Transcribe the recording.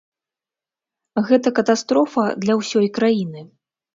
Гэта катастрофа для ўсёй краіны.